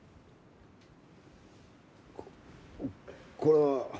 ここれは。